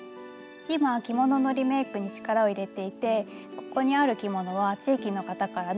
今着物のリメイクに力を入れていてここにある着物は地域の方からの寄付です。